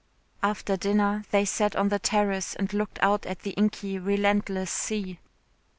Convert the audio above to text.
After dinner they sat on the terrace and looked out at the inky relentless sea.